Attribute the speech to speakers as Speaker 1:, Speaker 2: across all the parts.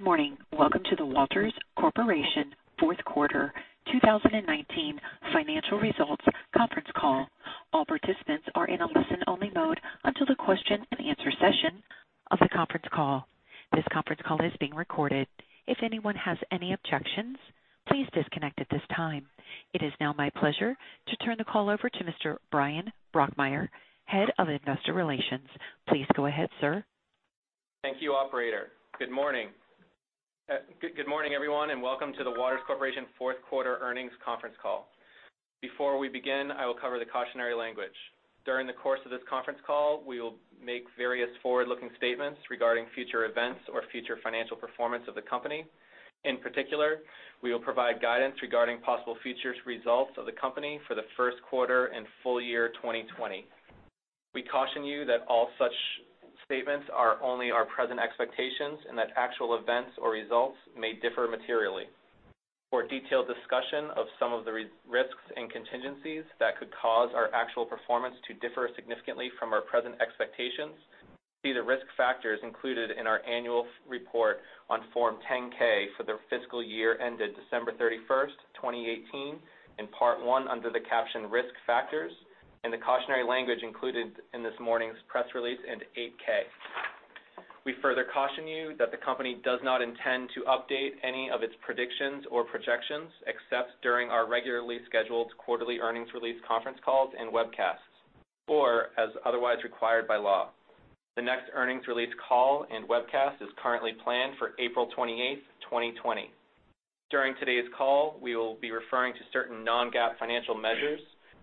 Speaker 1: Good morning. Welcome to the Waters Corporation Q4 2019 Financial Results Conference Call. All participants are in a listen-only mode until the question-and-answer session of the conference call. This conference call is being recorded. If anyone has any objections, please disconnect at this time. It is now my pleasure to turn the call over to Mr. Bryan Brokmeier, Head of Investor Relations. Please go ahead, sir.
Speaker 2: Thank you, Operator. Good morning. Good morning, everyone, and welcome to the Waters Corporation Q4 Earnings Conference Call. Before we begin, I will cover the cautionary language. During the course of this conference call, we will make various forward-looking statements regarding future events or future financial performance of the company. In particular, we will provide guidance regarding possible future results of the company for the Q1 and full year 2020. We caution you that all such statements are only our present expectations and that actual events or results may differ materially. For detailed discussion of some of the risks and contingencies that could cause our actual performance to differ significantly from our present expectations, see the risk factors included in our annual report on Form 10-K for the fiscal year ended December 31st, 2018, in Part 1 under the caption Risk Factors, and the cautionary language included in this morning's press release and Form 8-K. We further caution you that the company does not intend to update any of its predictions or projections except during our regularly scheduled quarterly earnings release conference calls and webcasts, or as otherwise required by law. The next earnings release call and webcast is currently planned for April 28th, 2020. During today's call, we will be referring to certain non-GAAP financial measures.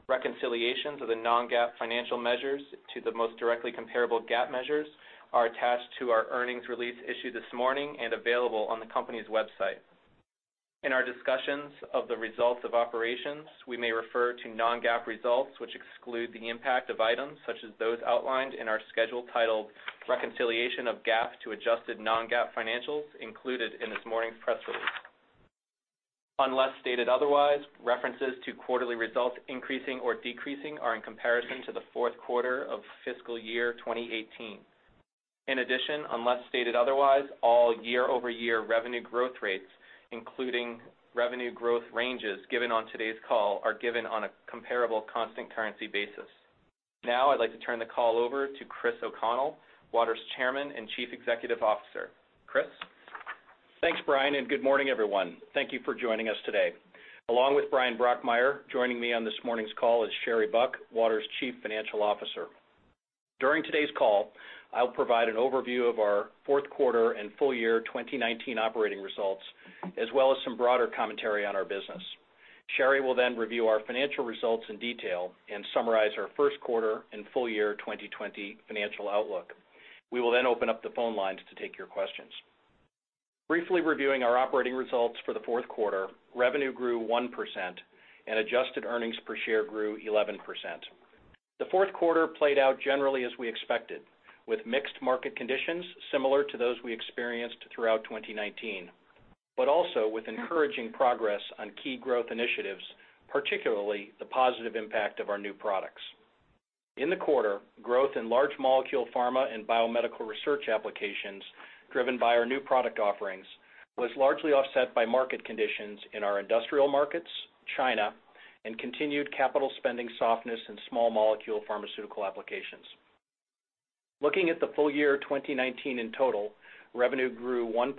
Speaker 2: Reconciliations of the non-GAAP financial measures to the most directly comparable GAAP measures are attached to our earnings release issued this morning and available on the company's website. In our discussions of the results of operations, we may refer to non-GAAP results which exclude the impact of items such as those outlined in our schedule titled Reconciliation of GAAP to Adjusted Non-GAAP Financials included in this morning's press release. Unless stated otherwise, references to quarterly results increasing or decreasing are in comparison to the Q4 of fiscal year 2018. In addition, unless stated otherwise, all year-over-year revenue growth rates, including revenue growth ranges given on today's call, are given on a comparable constant currency basis. Now, I'd like to turn the call over to Chris O'Connell, Waters Chairman and Chief Executive Officer. Chris?
Speaker 3: Thanks, Bryan, and good morning, everyone. Thank you for joining us today. Along with Bryan Brokmeier, joining me on this morning's call is Sherry Buck, Waters' Chief Financial Officer. During today's call, I'll provide an overview of our Q4 and full year 2019 operating results, as well as some broader commentary on our business. Sherry will then review our financial results in detail and summarize our first quarter and full year 2020 financial outlook. We will then open up the phone lines to take your questions. Briefly reviewing our operating results for the fourth quarter, revenue grew 1% and adjusted earnings per share grew 11%. The Q4 played out generally as we expected, with mixed market conditions similar to those we experienced throughout 2019, but also with encouraging progress on key growth initiatives, particularly the positive impact of our new products. In the quarter, growth in large molecule pharma and biomedical research applications driven by our new product offerings was largely offset by market conditions in our industrial markets, China, and continued capital spending softness in small molecule pharmaceutical applications. Looking at the full year 2019 in total, revenue grew 1%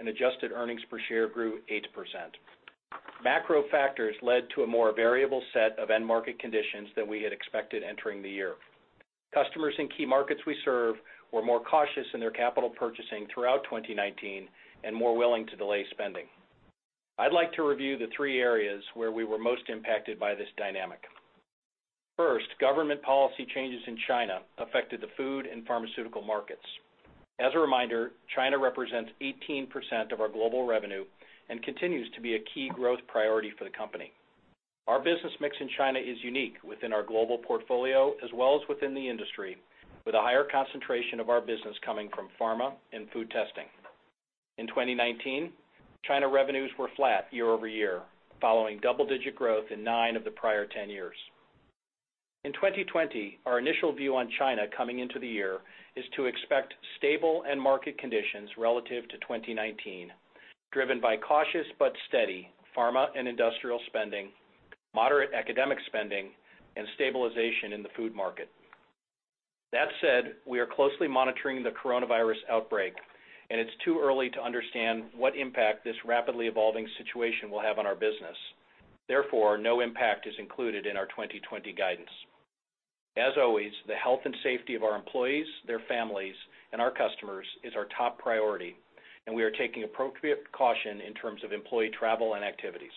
Speaker 3: and adjusted earnings per share grew 8%. Macro factors led to a more variable set of end market conditions than we had expected entering the year. Customers in key markets we serve were more cautious in their capital purchasing throughout 2019 and more willing to delay spending. I'd like to review the three areas where we were most impacted by this dynamic. First, government policy changes in China affected the food and pharmaceutical markets. As a reminder, China represents 18% of our global revenue and continues to be a key growth priority for the company. Our business mix in China is unique within our global portfolio as well as within the industry, with a higher concentration of our business coming from pharma and food testing. In 2019, China revenues were flat year over year, following double-digit growth in nine of the prior 10 years. In 2020, our initial view on China coming into the year is to expect stable end market conditions relative to 2019, driven by cautious but steady pharma and industrial spending, moderate academic spending, and stabilization in the food market. That said, we are closely monitoring the coronavirus outbreak, and it's too early to understand what impact this rapidly evolving situation will have on our business. Therefore, no impact is included in our 2020 guidance. As always, the health and safety of our employees, their families, and our customers is our top priority, and we are taking appropriate caution in terms of employee travel and activities.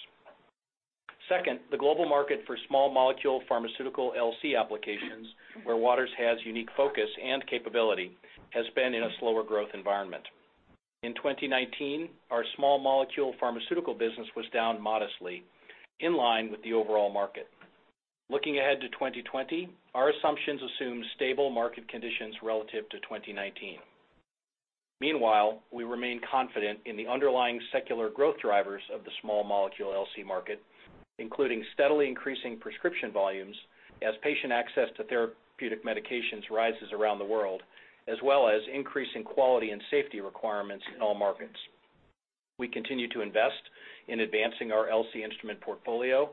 Speaker 3: Second, the global market for small molecule pharmaceutical LC applications, where Waters has unique focus and capability, has been in a slower growth environment. In 2019, our small molecule pharmaceutical business was down modestly, in line with the overall market. Looking ahead to 2020, our assumptions assume stable market conditions relative to 2019. Meanwhile, we remain confident in the underlying secular growth drivers of the small molecule LC market, including steadily increasing prescription volumes as patient access to therapeutic medications rises around the world, as well as increasing quality and safety requirements in all markets. We continue to invest in advancing our LC instrument portfolio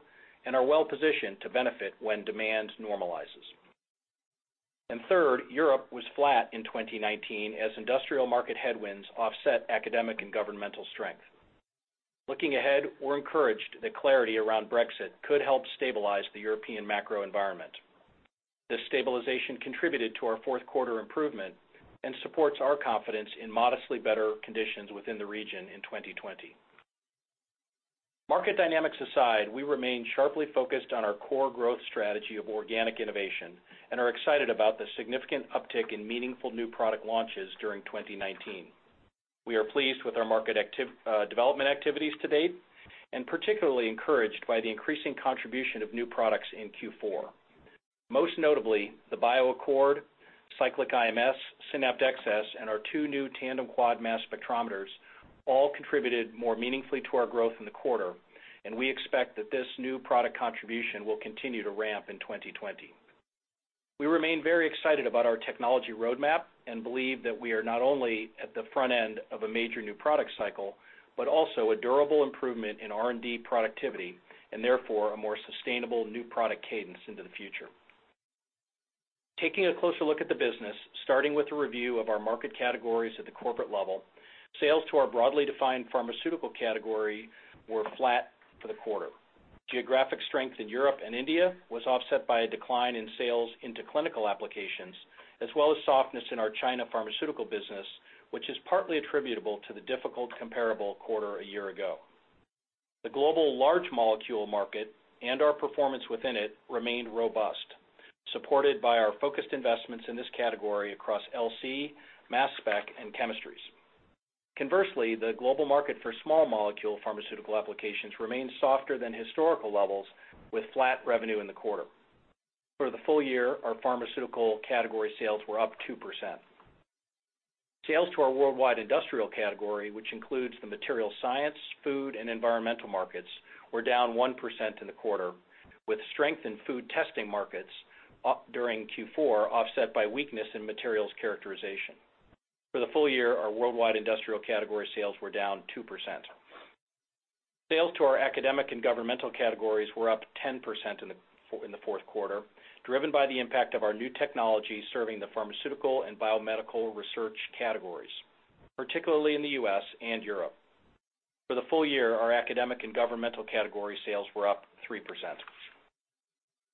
Speaker 3: and are well-positioned to benefit when demand normalizes. And third, Europe was flat in 2019 as industrial market headwinds offset academic and governmental strength. Looking ahead, we're encouraged that clarity around Brexit could help stabilize the European macro environment. This stabilization contributed to our fourth quarter improvement and supports our confidence in modestly better conditions within the region in 2020. Market dynamics aside, we remain sharply focused on our core growth strategy of organic innovation and are excited about the significant uptick in meaningful new product launches during 2019. We are pleased with our market development activities to date and particularly encouraged by the increasing contribution of new products in Q4. Most notably, the BioAccord, Cyclic IMS, SYNAPT XS, and our two new tandem quad mass spectrometers all contributed more meaningfully to our growth in the quarter, and we expect that this new product contribution will continue to ramp in 2020. We remain very excited about our technology roadmap and believe that we are not only at the front end of a major new product cycle, but also a durable improvement in R&D productivity and therefore a more sustainable new product cadence into the future. Taking a closer look at the business, starting with a review of our market categories at the corporate level, sales to our broadly defined pharmaceutical category were flat for the quarter. Geographic strength in Europe and India was offset by a decline in sales into clinical applications, as well as softness in our China pharmaceutical business, which is partly attributable to the difficult comparable quarter a year ago. The global large molecule market and our performance within it remained robust, supported by our focused investments in this category across LC, mass spec, and chemistries. Conversely, the global market for small molecule pharmaceutical applications remained softer than historical levels, with flat revenue in the quarter. For the full year, our pharmaceutical category sales were up 2%. Sales to our worldwide industrial category, which includes the materials science, food, and environmental markets, were down 1% in the quarter, with strength in food testing markets during Q4 offset by weakness in materials characterization. For the full year, our worldwide industrial category sales were down 2%. Sales to our academic and governmental categories were up 10% in the Q4, driven by the impact of our new technology serving the pharmaceutical and biomedical research categories, particularly in the US and Europe. For the full year, our academic and governmental category sales were up 3%.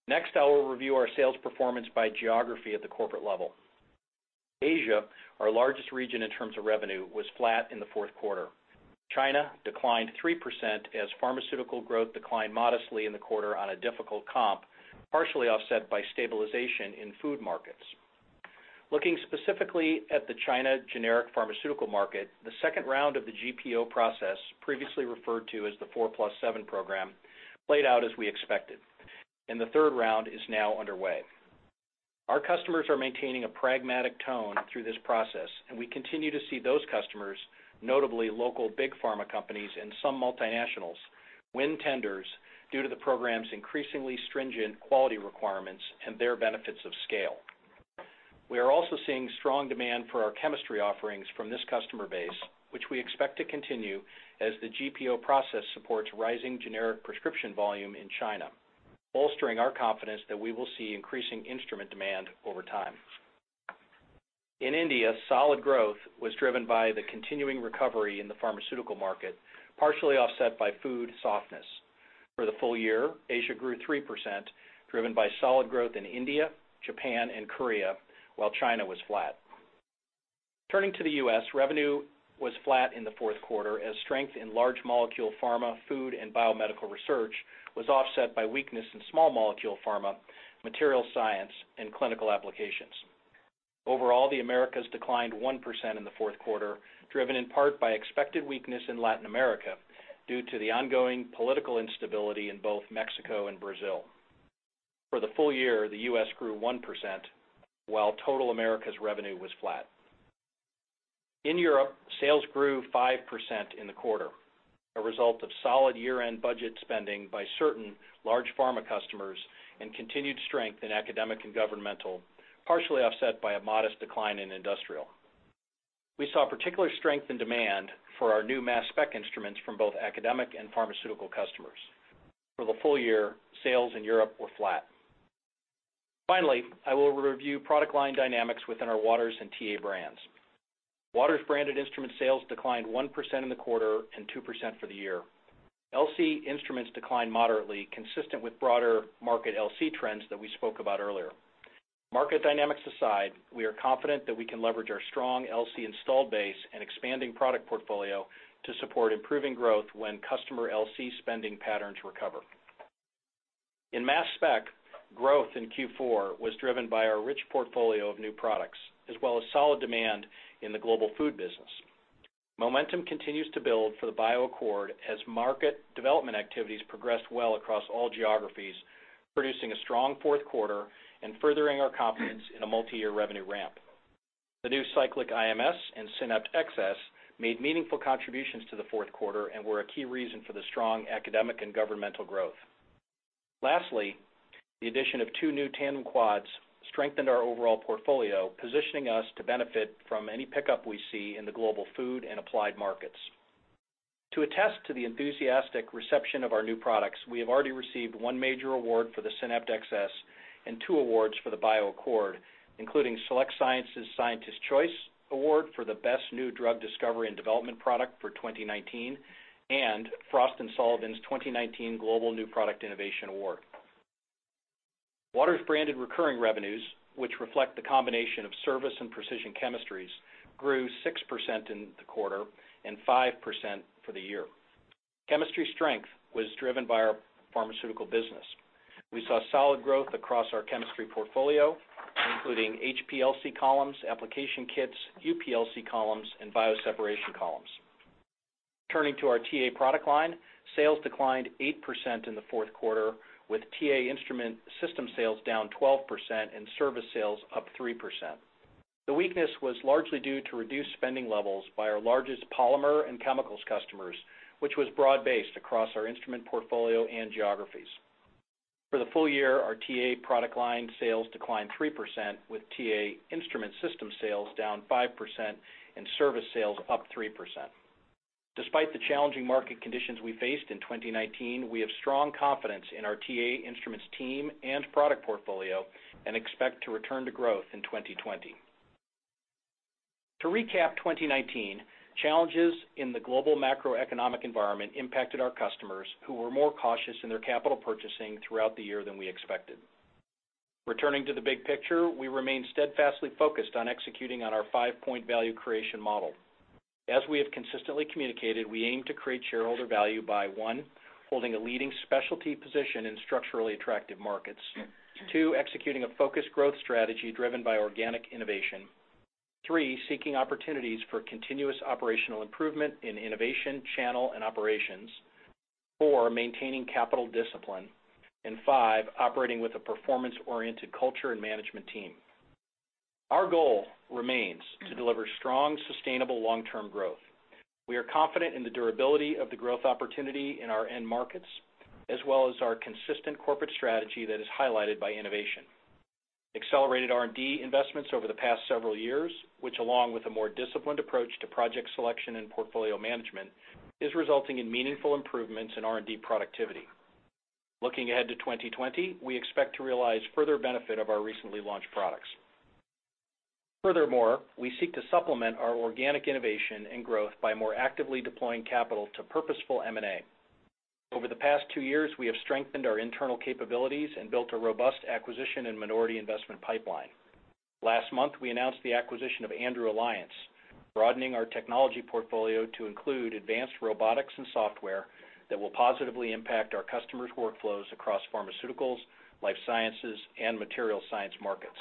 Speaker 3: Next, I will review our sales performance by geography at the corporate level. Asia, our largest region in terms of revenue, was flat in the Q4. China declined 3% as pharmaceutical growth declined modestly in the quarter on a difficult comp, partially offset by stabilization in food markets. Looking specifically at the China generic pharmaceutical market, the second round of the GPO process, previously referred to as the 4+7 program, played out as we expected, and the third round is now underway. Our customers are maintaining a pragmatic tone through this process, and we continue to see those customers, notably local big pharma companies and some multinationals, win tenders due to the program's increasingly stringent quality requirements and their benefits of scale. We are also seeing strong demand for our chemistry offerings from this customer base, which we expect to continue as the GPO process supports rising generic prescription volume in China, bolstering our confidence that we will see increasing instrument demand over time. In India, solid growth was driven by the continuing recovery in the pharmaceutical market, partially offset by food softness. For the full year, Asia grew 3%, driven by solid growth in India, Japan, and Korea, while China was flat. Turning to the US, revenue was flat in the fourth quarter as strength in large molecule pharma, food, and biomedical research was offset by weakness in small molecule pharma, materials science, and clinical applications. Overall, the Americas declined 1% in the fourth quarter, driven in part by expected weakness in Latin America due to the ongoing political instability in both Mexico and Brazil. For the full year, the US grew 1%, while total Americas revenue was flat. In Europe, sales grew 5% in the quarter, a result of solid year-end budget spending by certain large pharma customers and continued strength in academic and governmental, partially offset by a modest decline in industrial. We saw particular strength in demand for our new mass spec instruments from both academic and pharmaceutical customers. For the full year, sales in Europe were flat. Finally, I will review product line dynamics within our Waters and TA brands. Waters branded instrument sales declined 1% in the quarter and 2% for the year. LC instruments declined moderately, consistent with broader market LC trends that we spoke about earlier. Market dynamics aside, we are confident that we can leverage our strong LC installed base and expanding product portfolio to support improving growth when customer LC spending patterns recover. In mass spec, growth in Q4 was driven by our rich portfolio of new products, as well as solid demand in the global food business. Momentum continues to build for the BioAccord as market development activities progressed well across all geographies, producing a strong fourth quarter and furthering our confidence in a multi-year revenue ramp. The new Cyclic IMS and SYNAPT XS made meaningful contributions to the fourth quarter and were a key reason for the strong academic and governmental growth. Lastly, the addition of two new tandem quads strengthened our overall portfolio, positioning us to benefit from any pickup we see in the global food and applied markets. To attest to the enthusiastic reception of our new products, we have already received one major award for the SYNAPT XS and two awards for the BioAccord, including SelectScience's Scientists' Choice Award for the best new drug discovery and development product for 2019 and Frost & Sullivan's 2019 Global New Product Innovation Award. Waters branded recurring revenues, which reflect the combination of service and precision chemistries, grew 6% in the quarter and 5% for the year. Chemistry strength was driven by our pharmaceutical business. We saw solid growth across our chemistry portfolio, including HPLC columns, application kits, UPLC columns, and bioseparation columns. Turning to our TA product line, sales declined 8% in the Q4, with TA instrument system sales down 12% and service sales up 3%. The weakness was largely due to reduced spending levels by our largest polymer and chemicals customers, which was broad-based across our instrument portfolio and geographies. For the full year, our TA product line sales declined 3%, with TA instrument system sales down 5% and service sales up 3%. Despite the challenging market conditions we faced in 2019, we have strong confidence in our TA instruments team and product portfolio and expect to return to growth in 2020. To recap 2019, challenges in the global macroeconomic environment impacted our customers, who were more cautious in their capital purchasing throughout the year than we expected. Returning to the big picture, we remain steadfastly focused on executing on our five-point value creation model. As we have consistently communicated, we aim to create shareholder value by, one, holding a leading specialty position in structurally attractive markets. Two, executing a focused growth strategy driven by organic innovation. Three, seeking opportunities for continuous operational improvement in innovation, channel, and operations. Four, maintaining capital discipline. And five, operating with a performance-oriented culture and management team. Our goal remains to deliver strong, sustainable long-term growth. We are confident in the durability of the growth opportunity in our end markets, as well as our consistent corporate strategy that is highlighted by innovation. Accelerated R&D investments over the past several years, which, along with a more disciplined approach to project selection and portfolio management, are resulting in meaningful improvements in R&D productivity. Looking ahead to 2020, we expect to realize further benefit of our recently launched products. Furthermore, we seek to supplement our organic innovation and growth by more actively deploying capital to purposeful M&A. Over the past two years, we have strengthened our internal capabilities and built a robust acquisition and minority investment pipeline. Last month, we announced the acquisition of Andrew Alliance, broadening our technology portfolio to include advanced robotics and software that will positively impact our customers' workflows across pharmaceuticals, life sciences, and materials science markets.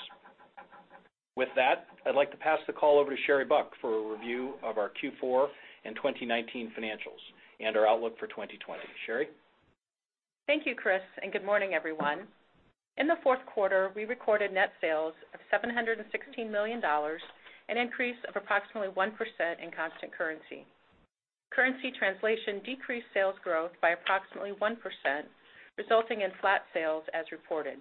Speaker 3: With that, I'd like to pass the call over to Sherry Buck for a review of our Q4 and 2019 financials and our outlook for 2020. Sherry?
Speaker 4: Thank you, Chris, and good morning, everyone. In the Q4, we recorded net sales of $716 million and an increase of approximately 1% in constant currency. Currency translation decreased sales growth by approximately 1%, resulting in flat sales as reported.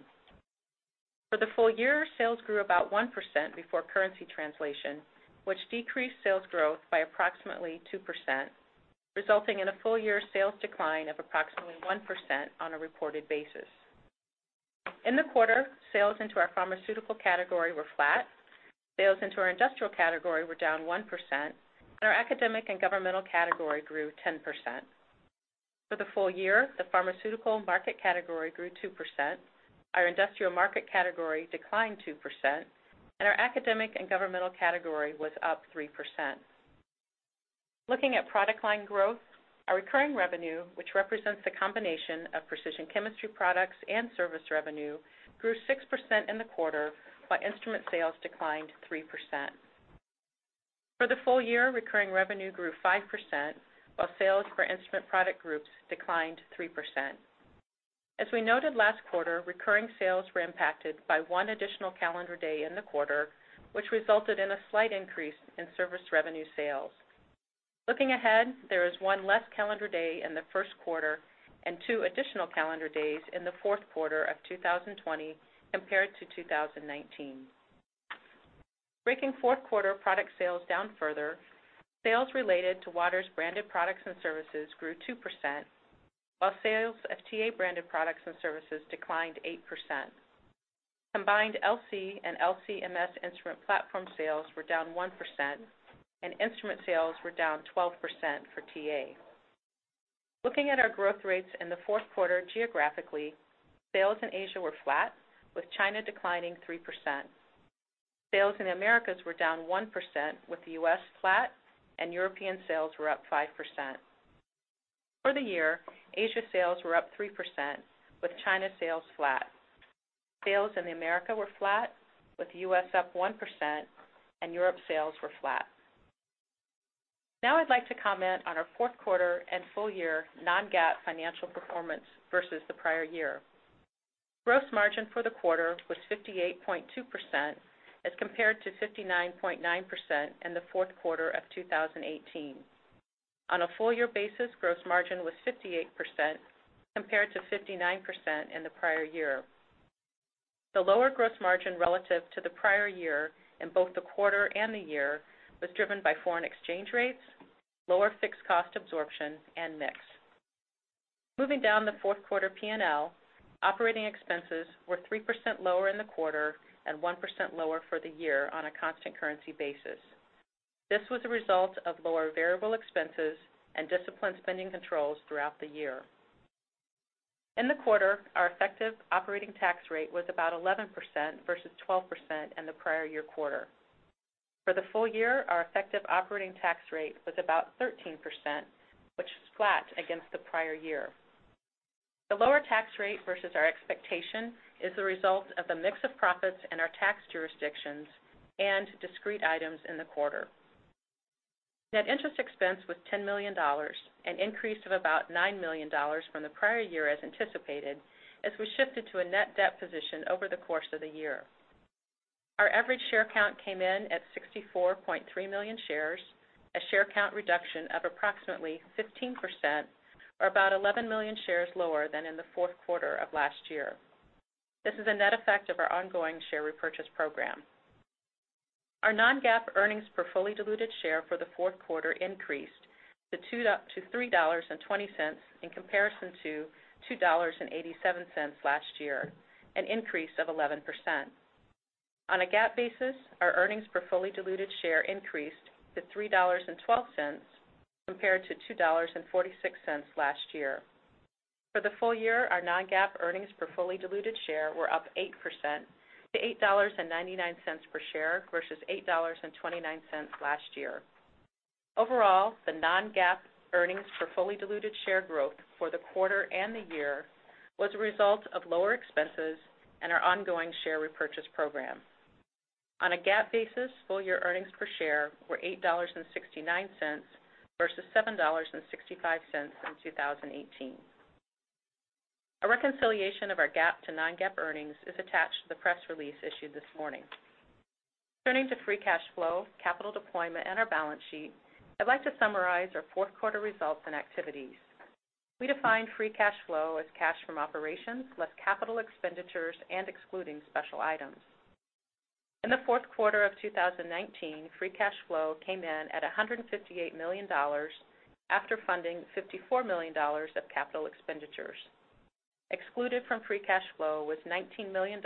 Speaker 4: For the full year, sales grew about 1% before currency translation, which decreased sales growth by approximately 2%, resulting in a full-year sales decline of approximately 1% on a reported basis. In the quarter, sales into our pharmaceutical category were flat, sales into our industrial category were down 1%, and our academic and governmental category grew 10%. For the full year, the pharmaceutical market category grew 2%, our industrial market category declined 2%, and our academic and governmental category was up 3%. Looking at product line growth, our recurring revenue, which represents the combination of precision chemistry products and service revenue, grew 6% in the quarter while instrument sales declined 3%. For the full year, recurring revenue grew 5%, while sales for instrument product groups declined 3%. As we noted last quarter, recurring sales were impacted by one additional calendar day in the quarter, which resulted in a slight increase in service revenue sales. Looking ahead, there is one less calendar day in the Q1 and two additional calendar days in the Q4 of 2020 compared to 2019. Breaking Q4 product sales down further, sales related to Waters branded products and services grew 2%, while sales of TA branded products and services declined 8%. Combined LC and LC-MS instrument platform sales were down 1%, and instrument sales were down 12% for TA. Looking at our growth rates in the Q4 geographically, sales in Asia were flat, with China declining 3%. Sales in the Americas were down 1%, with the US flat, and European sales were up 5%. For the year, Asia sales were up 3%, with China sales flat. Sales in the Americas were flat, with the US up 1%, and Europe sales were flat. Now I'd like to comment on our Q4 and full year non-GAAP financial performance versus the prior year. Gross margin for the quarter was 58.2% as compared to 59.9% in the Q4 of 2018. On a full-year basis, gross margin was 58% compared to 59% in the prior year. The lower gross margin relative to the prior year in both the quarter and the year was driven by foreign exchange rates, lower fixed cost absorption, and mix. Moving down the Q4 P&L, operating expenses were 3% lower in the quarter and 1% lower for the year on a constant currency basis. This was a result of lower variable expenses and disciplined spending controls throughout the year. In the quarter, our effective operating tax rate was about 11% versus 12% in the prior year quarter. For the full year, our effective operating tax rate was about 13%, which was flat against the prior year. The lower tax rate versus our expectation is the result of the mix of profits in our tax jurisdictions and discrete items in the quarter. Net interest expense was $10 million and increased of about $9 million from the prior year as anticipated as we shifted to a net debt position over the course of the year. Our average share count came in at 64.3 million shares, a share count reduction of approximately 15%, or about 11 million shares lower than in the fourth quarter of last year. This is a net effect of our ongoing share repurchase program. Our non-GAAP earnings per fully diluted share for the Q4 increased to $3.20 in comparison to $2.87 last year, an increase of 11%. On a GAAP basis, our earnings per fully diluted share increased to $3.12 compared to $2.46 last year. For the full year, our non-GAAP earnings per fully diluted share were up 8% to $8.99 per share versus $8.29 last year. Overall, the non-GAAP earnings per fully diluted share growth for the quarter and the year was a result of lower expenses and our ongoing share repurchase program. On a GAAP basis, full-year earnings per share were $8.69 versus $7.65 in 2018. A reconciliation of our GAAP to non-GAAP earnings is attached to the press release issued this morning. Turning to free cash flow, capital deployment, and our balance sheet, I'd like to summarize our Q4 results and activities. We defined free cash flow as cash from operations less capital expenditures and excluding special items. In the Q4 of 2019, free cash flow came in at $158 million after funding $54 million of capital expenditures. Excluded from free cash flow was $19 million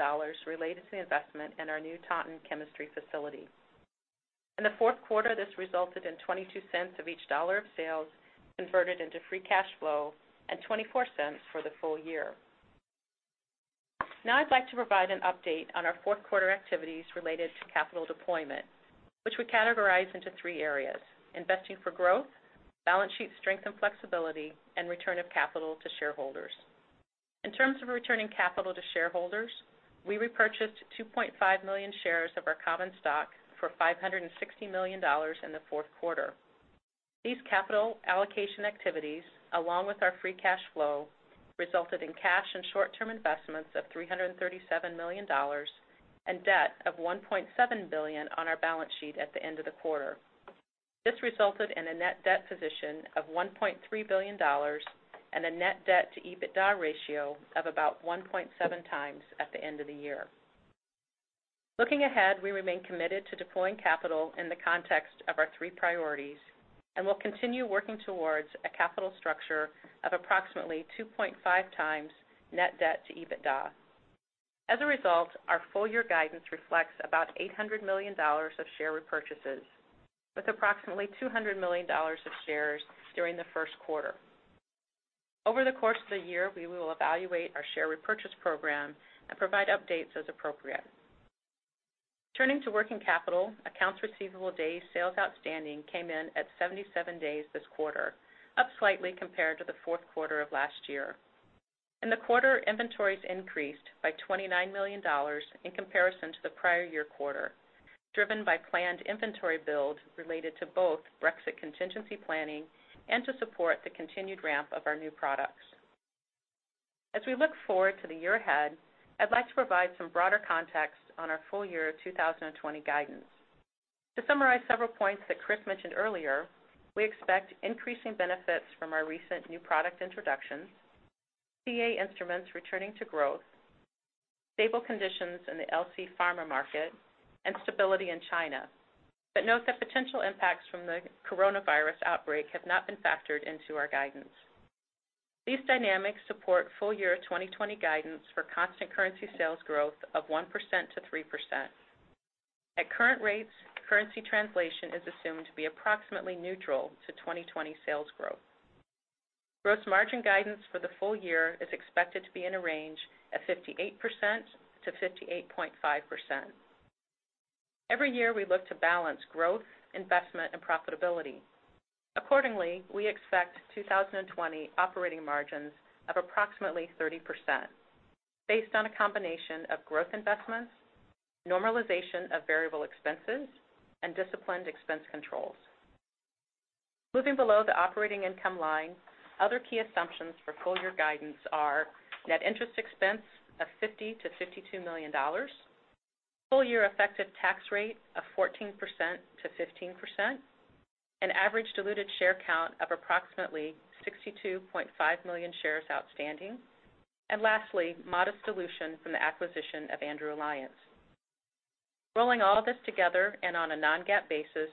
Speaker 4: related to the investment in our new Taunton Chemistry Facility. In the Q4, this resulted in $0.22 of each dollar of sales converted into free cash flow and $0.24 for the full year. Now I'd like to provide an update on our Q4 activities related to capital deployment, which we categorize into three areas: investing for growth, balance sheet strength and flexibility, and return of capital to shareholders. In terms of returning capital to shareholders, we repurchased 2.5 million shares of our common stock for $560 million in the Q4. These capital allocation activities, along with our free cash flow, resulted in cash and short-term investments of $337 million and debt of $1.7 billion on our balance sheet at the end of the quarter. This resulted in a net debt position of $1.3 billion and a net debt to EBITDA ratio of about 1.7 times at the end of the year. Looking ahead, we remain committed to deploying capital in the context of our three priorities and will continue working towards a capital structure of approximately 2.5 times net debt to EBITDA. As a result, our full-year guidance reflects about $800 million of share repurchases, with approximately $200 million of shares during the first quarter. Over the course of the year, we will evaluate our share repurchase program and provide updates as appropriate. Turning to working capital, accounts receivable day sales outstanding came in at 77 days this quarter, up slightly compared to the Q4 of last year. In the quarter, inventories increased by $29 million in comparison to the prior year quarter, driven by planned inventory build related to both Brexit contingency planning and to support the continued ramp of our new products. As we look forward to the year ahead, I'd like to provide some broader context on our full-year 2020 guidance. To summarize several points that Chris mentioned earlier, we expect increasing benefits from our recent new product introductions, TA Instruments returning to growth, stable conditions in the LC pharma market, and stability in China. But note that potential impacts from the coronavirus outbreak have not been factored into our guidance. These dynamics support full-year 2020 guidance for constant currency sales growth of 1%-3%. At current rates, currency translation is assumed to be approximately neutral to 2020 sales growth. Gross margin guidance for the full year is expected to be in a range of 58%-58.5%. Every year, we look to balance growth, investment, and profitability. Accordingly, we expect 2020 operating margins of approximately 30% based on a combination of growth investments, normalization of variable expenses, and disciplined expense controls. Moving below the operating income line, other key assumptions for full-year guidance are net interest expense of $50-52 million, full-year effective tax rate of 14%-15%, an average diluted share count of approximately 62.5 million shares outstanding, and lastly, modest dilution from the acquisition of Andrew Alliance. Rolling all this together and on a non-GAAP basis,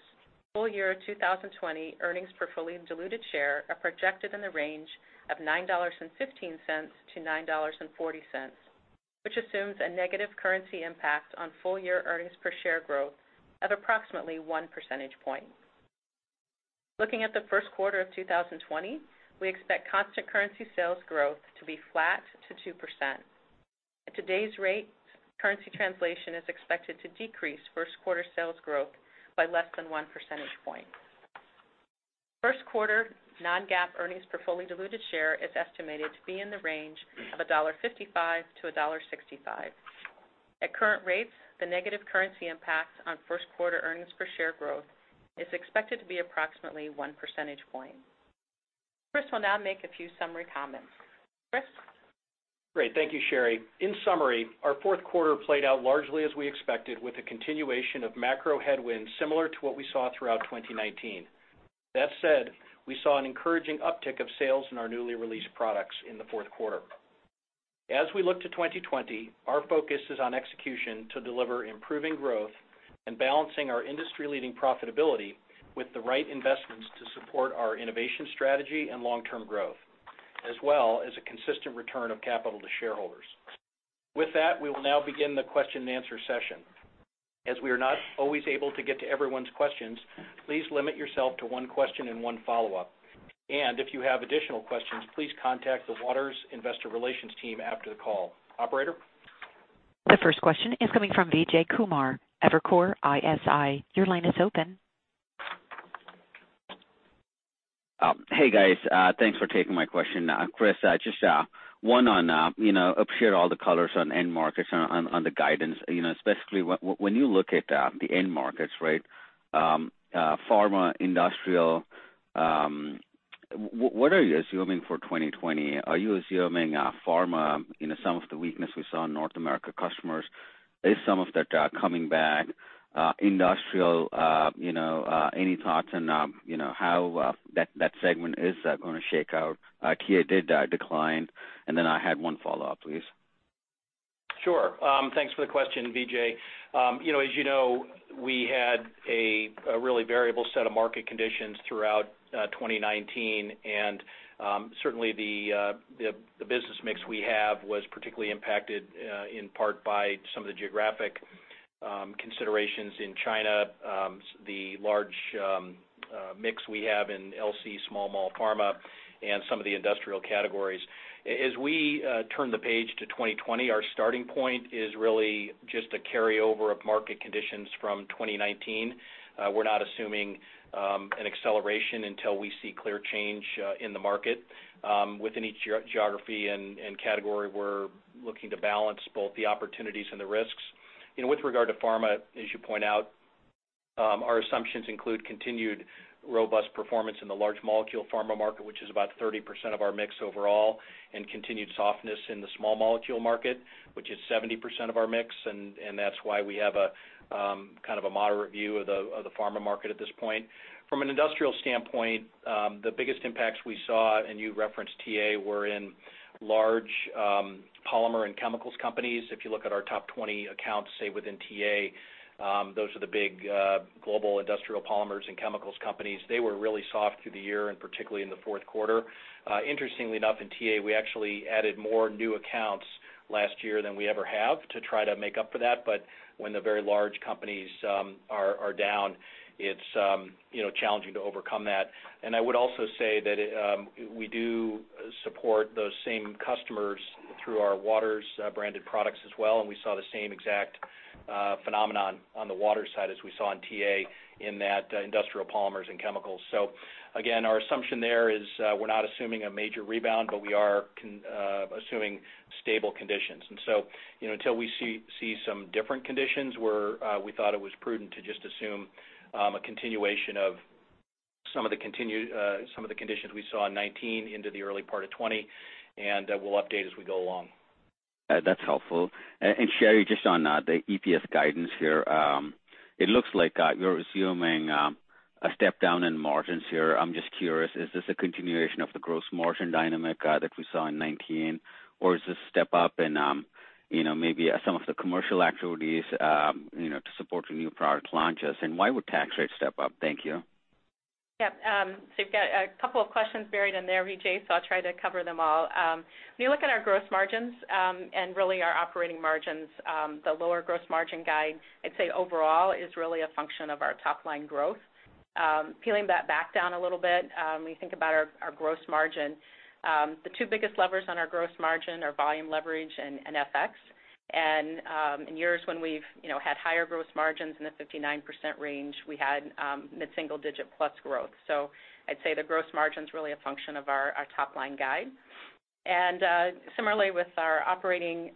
Speaker 4: full-year 2020 earnings per fully diluted share are projected in the range of $9.15-9.40, which assumes a negative currency impact on full-year earnings per share growth of approximately one percentage point. Looking at the Q1 of 2020, we expect constant currency sales growth to be flat to 2%. At today's rate, currency translation is expected to decrease Q1 sales growth by less than one percentage point. Q1 non-GAAP earnings per fully diluted share is estimated to be in the range of $1.55-1.65. At current rates, the negative currency impact on first quarter earnings per share growth is expected to be approximately one percentage point. Chris will now make a few summary comments. Chris? Great. Thank you, Sherry.
Speaker 3: In summary, our Q4 played out largely as we expected, with a continuation of macro headwinds similar to what we saw throughout 2019. That said, we saw an encouraging uptick of sales in our newly released products in the Q4. As we look to 2020, our focus is on execution to deliver improving growth and balancing our industry-leading profitability with the right investments to support our innovation strategy and long-term growth, as well as a consistent return of capital to shareholders. With that, we will now begin the question and answer session. As we are not always able to get to everyone's questions, please limit yourself to one question and one follow-up. And if you have additional questions, please contact the Waters Investor Relations team after the call. Operator?
Speaker 1: The first question is coming from Vijay Kumar. Evercore ISI, your line is open. Hey, guys.
Speaker 5: Thanks for taking my question. Chris, just one on the upshot of all the color on end markets on the guidance, especially when you look at the end markets, right? Pharma, industrial, what are you assuming for 2020? Are you assuming pharma, some of the weakness we saw in North American customers, is some of that coming back? Industrial, any thoughts on how that segment is going to shake out? TA did decline. And then I had one follow-up, please.
Speaker 3: Sure. Thanks for the question, Vijay. As you know, we had a really variable set of market conditions throughout 2019. And certainly, the business mix we have was particularly impacted in part by some of the geographic considerations in China, the large mix we have in LC small molecule pharma, and some of the industrial categories. As we turn the page to 2020, our starting point is really just a carryover of market conditions from 2019. We're not assuming an acceleration until we see clear change in the market. Within each geography and category, we're looking to balance both the opportunities and the risks. With regard to pharma, as you point out, our assumptions include continued robust performance in the large molecule pharma market, which is about 30% of our mix overall, and continued softness in the small molecule market, which is 70% of our mix. That's why we have a kind of a moderate view of the pharma market at this point. From an industrial standpoint, the biggest impacts we saw, and you referenced TA, were in large polymer and chemicals companies. If you look at our top 20 accounts, say within TA, those are the big global industrial polymers and chemicals companies. They were really soft through the year, and particularly in the Q4. Interestingly enough, in TA, we actually added more new accounts last year than we ever have to try to make up for that, but when the very large companies are down, it's challenging to overcome that, and I would also say that we do support those same customers through our Waters branded products as well, and we saw the same exact phenomenon on the Waters side as we saw in TA in that industrial polymers and chemicals. So again, our assumption there is we're not assuming a major rebound, but we are assuming stable conditions, and so until we see some different conditions, we thought it was prudent to just assume a continuation of some of the conditions we saw in 2019 into the early part of 2020, and we'll update as we go along.
Speaker 5: That's helpful. And Sherry, just on the EPS guidance here, it looks like you're assuming a step down in margins here. I'm just curious, is this a continuation of the gross margin dynamic that we saw in 2019, or is this a step up in maybe some of the commercial activities to support the new product launches? And why would tax rates step up? Thank you.
Speaker 4: Yeah, so you've got a couple of questions buried in there, Vijay, so I'll try to cover them all. When you look at our gross margins and really our operating margins, the lower gross margin guide, I'd say overall is really a function of our top-line growth. Peeling that back down a little bit, when you think about our gross margin, the two biggest levers on our gross margin are volume leverage and FX. In years when we've had higher gross margins in the 59% range, we had mid-single-digit plus growth. I'd say the gross margin's really a function of our top-line guide. Similarly, with our operating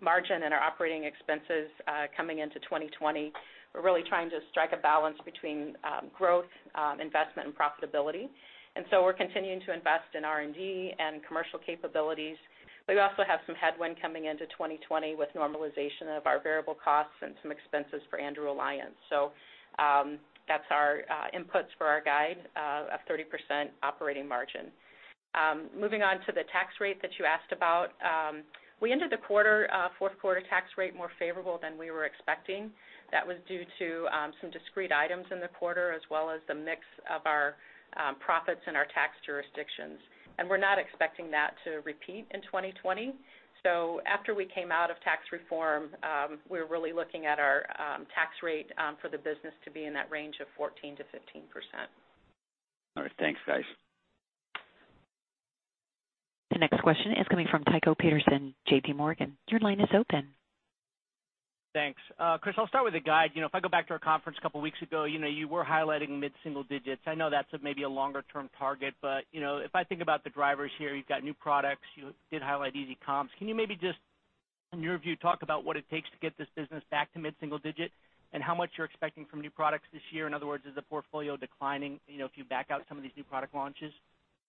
Speaker 4: margin and our operating expenses coming into 2020, we're really trying to strike a balance between growth, investment, and profitability. We're continuing to invest in R&D and commercial capabilities. We also have some headwind coming into 2020 with normalization of our variable costs and some expenses for Andrew Alliance. That's our inputs for our guide of 30% operating margin. Moving on to the tax rate that you asked about, we ended the fourth quarter tax rate more favorable than we were expecting. That was due to some discrete items in the quarter as well as the mix of our profits and our tax jurisdictions. We're not expecting that to repeat in 2020. After we came out of tax reform, we're really looking at our tax rate for the business to be in that range of 14%-15%.
Speaker 5: All right. Thanks, guys.
Speaker 1: The next question is coming from Tycho Peterson, JPMorgan. Your line is open.
Speaker 6: Thanks. Chris, I'll start with the guide. If I go back to our conference a couple of weeks ago, you were highlighting mid-single digits. I know that's maybe a longer-term target. If I think about the drivers here, you've got new products. You did highlight easy comps. Can you maybe just, in your view, talk about what it takes to get this business back to mid-single digit and how much you're expecting from new products this year? In other words, is the portfolio declining if you back out some of these new product launches?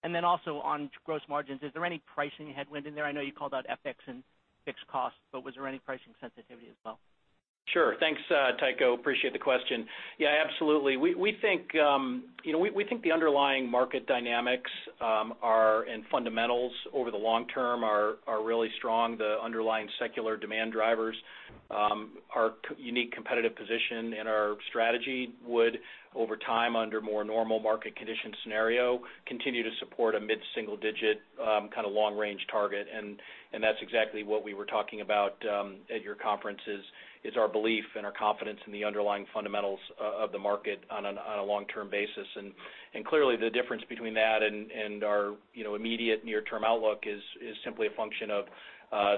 Speaker 6: And then also on gross margins, is there any pricing headwind in there? I know you called out FX and fixed costs, but was there any pricing sensitivity as well?
Speaker 3: Sure. Thanks, Tycho. Appreciate the question. Yeah, absolutely. We think the underlying market dynamics and fundamentals over the long term are really strong. The underlying secular demand drivers, our unique competitive position, and our strategy would, over time, under more normal market condition scenario, continue to support a mid-single digit kind of long-range target. And that's exactly what we were talking about at your conference, is our belief and our confidence in the underlying fundamentals of the market on a long-term basis. And clearly, the difference between that and our immediate near-term outlook is simply a function of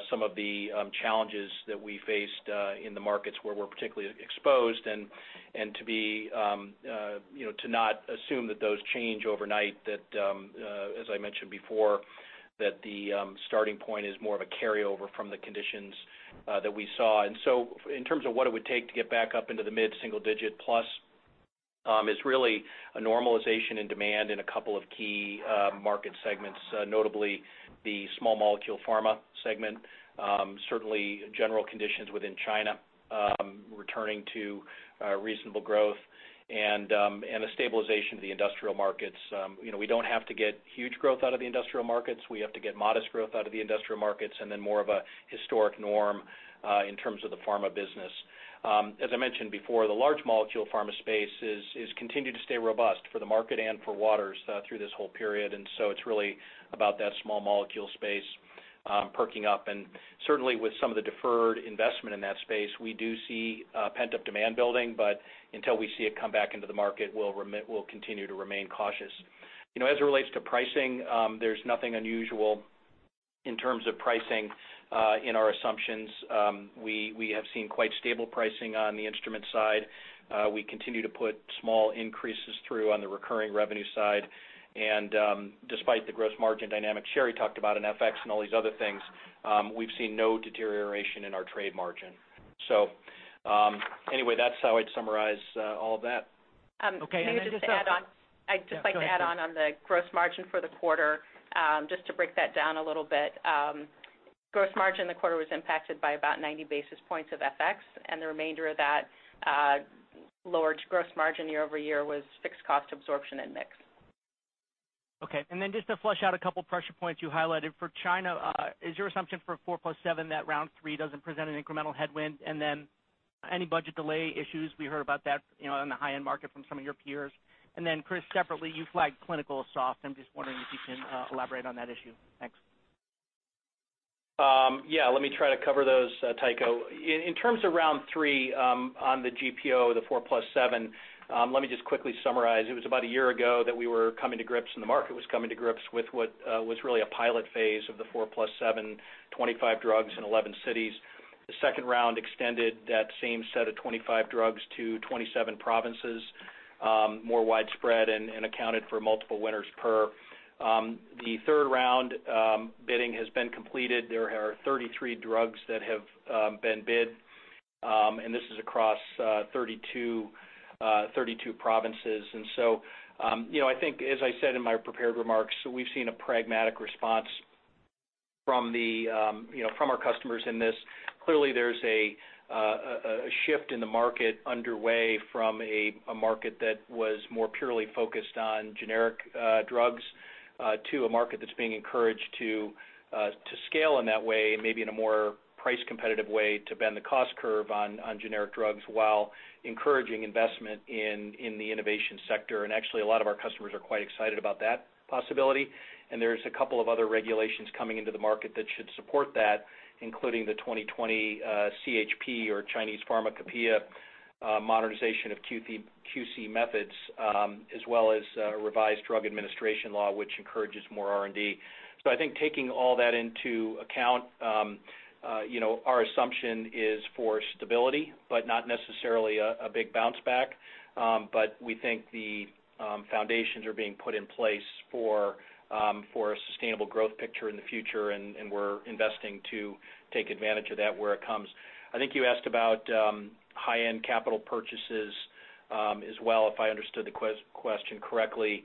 Speaker 3: some of the challenges that we faced in the markets where we're particularly exposed and to not assume that those change overnight, that, as I mentioned before, that the starting point is more of a carryover from the conditions that we saw. And so in terms of what it would take to get back up into the mid-single digit plus, it's really a normalization in demand in a couple of key market segments, notably the small molecule pharma segment, certainly general conditions within China returning to reasonable growth, and a stabilization of the industrial markets. We don't have to get huge growth out of the industrial markets. We have to get modest growth out of the industrial markets and then more of a historic norm in terms of the pharma business. As I mentioned before, the large molecule pharma space has continued to stay robust for the market and for Waters through this whole period. And so it's really about that small molecule space perking up. And certainly, with some of the deferred investment in that space, we do see pent-up demand building. But until we see it come back into the market, we'll continue to remain cautious. As it relates to pricing, there's nothing unusual in terms of pricing in our assumptions. We have seen quite stable pricing on the instrument side. We continue to put small increases through on the recurring revenue side. And despite the gross margin dynamic, Sherry talked about in FX and all these other things, we've seen no deterioration in our gross margin. So anyway, that's how I'd summarize all of that. Okay.
Speaker 4: And I just want to add on. I'd just like to add on to the gross margin for the quarter, just to break that down a little bit. Gross margin in the quarter was impacted by about 90 basis points of FX. The remainder of that lowered gross margin year over year was fixed cost absorption and mix.
Speaker 6: Okay. Then just to flesh out a couple of pressure points you highlighted. For China, is your assumption for four plus seven that round three doesn't present an incremental headwind? Then any budget delay issues? We heard about that on the high-end market from some of your peers. Then, Chris, separately, you flagged clinical softness. I'm just wondering if you can elaborate on that issue. Thanks.
Speaker 3: Yeah. Let me try to cover those, Tycho. In terms of round three on the GPO, the four plus seven, let me just quickly summarize. It was about a year ago that we were coming to grips and the market was coming to grips with what was really a pilot phase of the four plus seven, 25 drugs in 11 cities. The second round extended that same set of 25 drugs to 27 provinces, more widespread and accounted for multiple winners per. The third round bidding has been completed. There are 33 drugs that have been bid and this is across 32 provinces. So I think, as I said in my prepared remarks, we've seen a pragmatic response from our customers in this. Clearly, there's a shift in the market underway from a market that was more purely focused on generic drugs to a market that's being encouraged to scale in that way, maybe in a more price-competitive way to bend the cost curve on generic drugs while encouraging investment in the innovation sector. Actually, a lot of our customers are quite excited about that possibility. There's a couple of other regulations coming into the market that should support that, including the 2020 ChP or Chinese Pharmacopeia modernization of QC methods, as well as a revised drug administration law, which encourages more R&D. I think taking all that into account, our assumption is for stability, but not necessarily a big bounce back. We think the foundations are being put in place for a sustainable growth picture in the future. We're investing to take advantage of that where it comes. I think you asked about high-end capital purchases as well, if I understood the question correctly.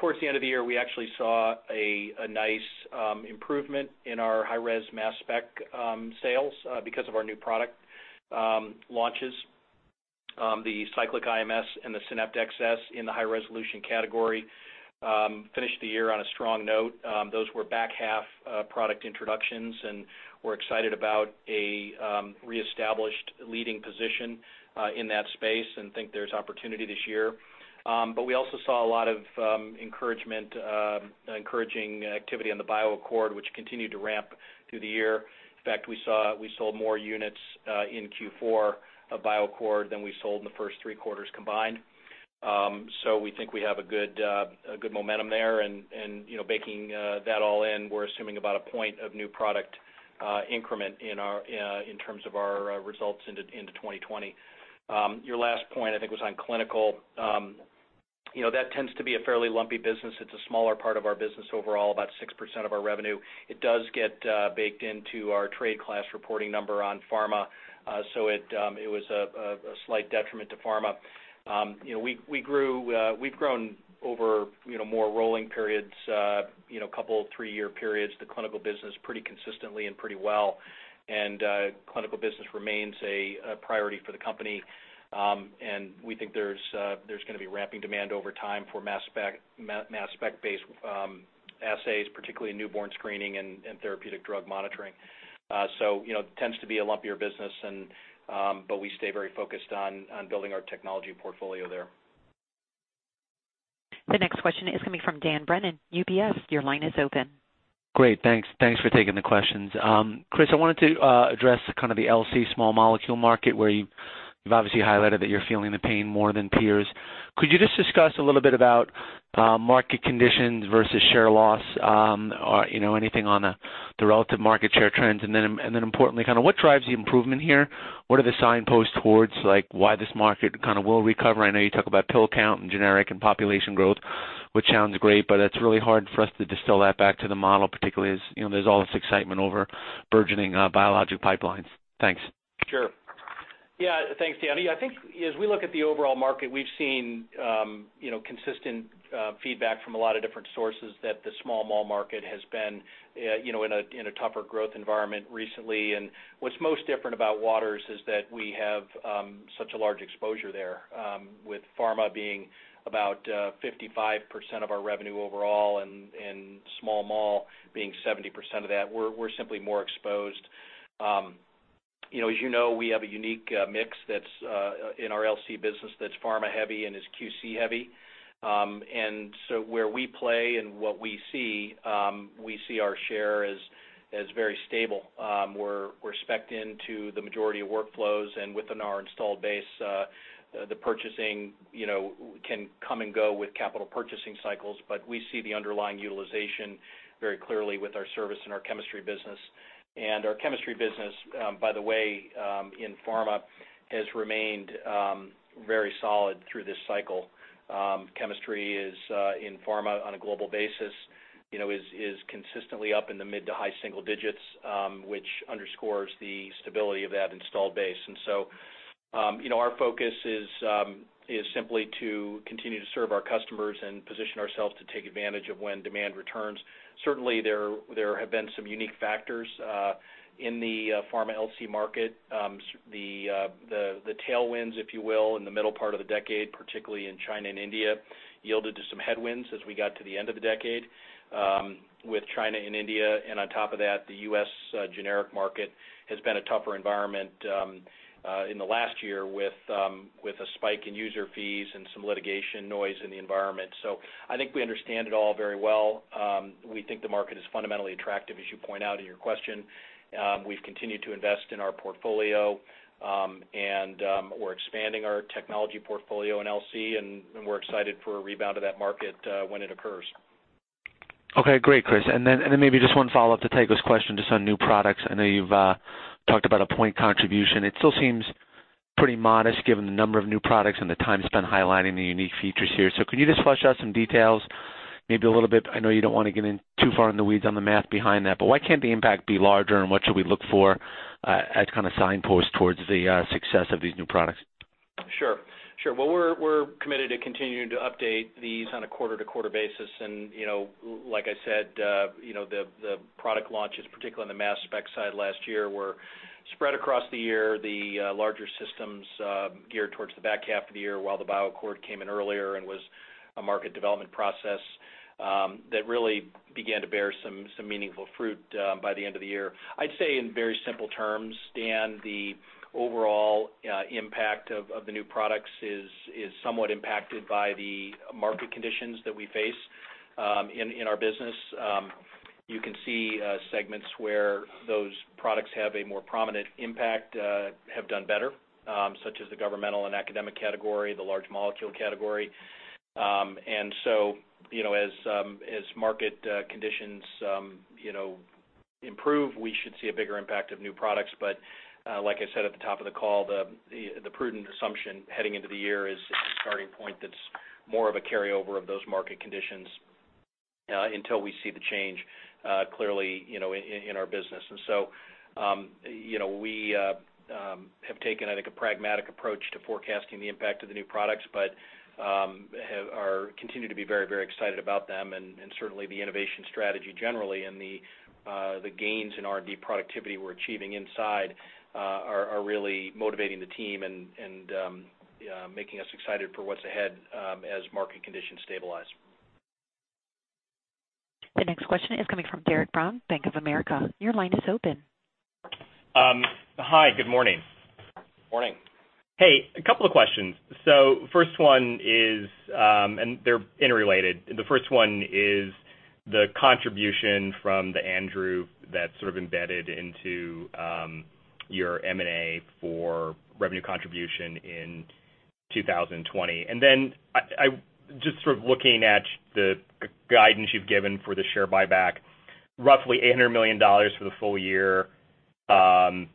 Speaker 3: Towards the end of the year, we actually saw a nice improvement in our high-res mass spec sales because of our new product launches. The Cyclic IMS and the SYNAPT XS in the high-resolution category finished the year on a strong note. Those were back-half product introductions, and we're excited about a reestablished leading position in that space and think there's opportunity this year, but we also saw a lot of encouraging activity on the BioAccord, which continued to ramp through the year. In fact, we sold more units in Q4 of BioAccord than we sold in the first three quarters combined, so we think we have a good momentum there, and baking that all in, we're assuming about a point of new product increment in terms of our results into 2020. Your last point, I think, was on clinical. That tends to be a fairly lumpy business. It's a smaller part of our business overall, about 6% of our revenue. It does get baked into our trade class reporting number on pharma. So it was a slight detriment to pharma. We've grown over more rolling periods, a couple of three-year periods, the clinical business pretty consistently and pretty well, and clinical business remains a priority for the company, and we think there's going to be ramping demand over time for mass spec-based assays, particularly newborn screening and therapeutic drug monitoring, so it tends to be a lumpier business, but we stay very focused on building our technology portfolio there.
Speaker 1: The next question is coming from Dan Brennan, UBS. Your line is open.
Speaker 7: Great. Thanks for taking the questions. Chris, I wanted to address kind of the LC small molecule market where you've obviously highlighted that you're feeling the pain more than peers. Could you just discuss a little bit about market conditions versus share loss? Anything on the relative market share trends? And then importantly, kind of what drives the improvement here? What are the signposts towards why this market kind of will recover? I know you talk about pill count and generic and population growth, which sounds great. But it's really hard for us to distill that back to the model, particularly as there's all this excitement over burgeoning biologic pipelines. Thanks.
Speaker 3: Sure. Yeah. Thanks, Danny. I think as we look at the overall market, we've seen consistent feedback from a lot of different sources that the small molecule market has been in a tougher growth environment recently. What's most different about Waters is that we have such a large exposure there with pharma being about 55% of our revenue overall and small molecule being 70% of that. We're simply more exposed. As you know, we have a unique mix in our LC business that's pharma-heavy and is QC-heavy. And so where we play and what we see, we see our share as very stable. We're specced into the majority of workflows. And within our installed base, the purchasing can come and go with capital purchasing cycles. But we see the underlying utilization very clearly with our service and our chemistry business. And our chemistry business, by the way, in pharma has remained very solid through this cycle. Chemistry in pharma on a global basis is consistently up in the mid- to high-single-digits, which underscores the stability of that installed base. And so our focus is simply to continue to serve our customers and position ourselves to take advantage of when demand returns. Certainly, there have been some unique factors in the pharma LC market. The tailwinds, if you will, in the middle part of the decade, particularly in China and India, yielded to some headwinds as we got to the end of the decade with China and India. And on top of that, the US generic market has been a tougher environment in the last year with a spike in user fees and some litigation noise in the environment. So I think we understand it all very well. We think the market is fundamentally attractive, as you point out in your question. We've continued to invest in our portfolio. And we're expanding our technology portfolio in LC. And we're excited for a rebound of that market when it occurs.
Speaker 7: Okay. Great, Chris. And then maybe just one follow-up to Tycho's question just on new products. I know you've talked about a point contribution. It still seems pretty modest given the number of new products and the time spent highlighting the unique features here. So could you just flesh out some details maybe a little bit? I know you don't want to get too far in the weeds on the math behind that. But why can't the impact be larger? And what should we look for as kind of signposts towards the success of these new products?
Speaker 3: Sure. Sure. Well, we're committed to continuing to update these on a quarter-to-quarter basis. And like I said, the product launches, particularly on the mass spec side last year, were spread across the year. The larger systems geared towards the back half of the year, while the BioAccord came in earlier and was a market development process that really began to bear some meaningful fruit by the end of the year. I'd say in very simple terms, Dan, the overall impact of the new products is somewhat impacted by the market conditions that we face in our business. You can see segments where those products have a more prominent impact, have done better, such as the governmental and academic category, the large molecule category, and so as market conditions improve, we should see a bigger impact of new products, but like I said at the top of the call, the prudent assumption heading into the year is a starting point that's more of a carryover of those market conditions until we see the change clearly in our business, and so we have taken, I think, a pragmatic approach to forecasting the impact of the new products, but continue to be very, very excited about them. And certainly, the innovation strategy generally and the gains in R&D productivity we're achieving inside are really motivating the team and making us excited for what's ahead as market conditions stabilize.
Speaker 1: The next question is coming from Derik de Bruin of Bank of America. Your line is open.
Speaker 8: Hi. Good morning. Morning. Hey. A couple of questions. So first one is, and they're interrelated. The first one is the contribution from the Andrew that's sort of embedded into your M&A for revenue contribution in 2020. And then just sort of looking at the guidance you've given for the share buyback, roughly $800 million for the full year, $200 million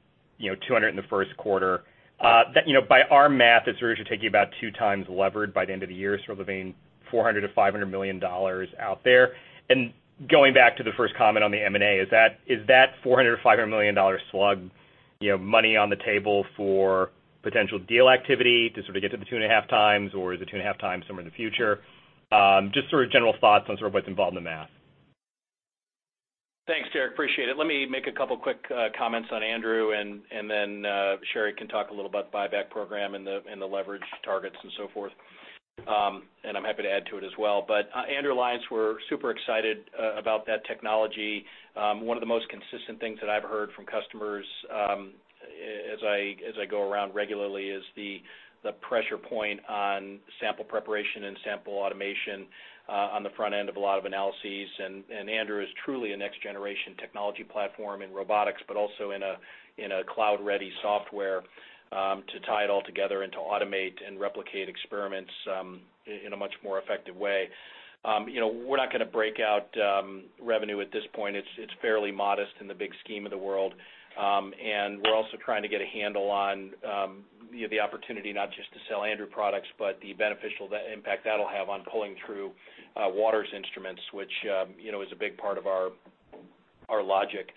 Speaker 8: in the Q1. By our math, it's really should take you about two times levered by the end of the year, sort of the main $400-500 million out there. Going back to the first comment on the M&A, is that $400-500 million slug money on the table for potential deal activity to sort of get to the two and a half times, or is it two and a half times somewhere in the future? Just sort of general thoughts on sort of what's involved in the math.
Speaker 3: Thanks, Derik. Appreciate it. Let me make a couple of quick comments on Andrew. And then Sherry can talk a little about the buyback program and the leverage targets and so forth. And I'm happy to add to it as well. But Andrew Alliance were super excited about that technology. One of the most consistent things that I've heard from customers as I go around regularly is the pressure point on sample preparation and sample automation on the front end of a lot of analyses. Andrew is truly a next-generation technology platform in robotics, but also in a cloud-ready software to tie it all together and to automate and replicate experiments in a much more effective way. We're not going to break out revenue at this point. It's fairly modest in the big scheme of the world. We're also trying to get a handle on the opportunity not just to sell Andrew products, but the beneficial impact that'll have on pulling through Waters instruments, which is a big part of our logic.